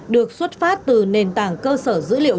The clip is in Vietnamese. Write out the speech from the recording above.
được xuất phát từ nền tảng cơ sở dữ liệu